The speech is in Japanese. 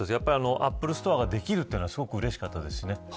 アップルストアができるというのはすごくうれしかったですしね。